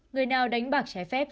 người nào đánh bạc trái phép